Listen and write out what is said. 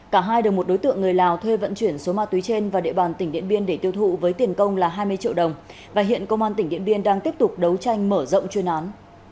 cả hai được một đối tượng người lào thuê vận chuyển số ma túy trên vào địa bàn tỉnh điện biên để tiêu thụ với tiền công là hai mươi triệu đồng và hiện công an tỉnh điện biên đang tiếp tục đấu tranh mở rộng chuyên án